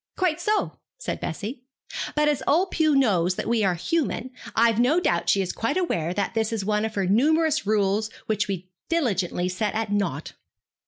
'Quite so,' said Bessie; 'but as old Pew knows that we are human, I've no doubt she is quite aware that this is one of her numerous rules which we diligently set at nought.'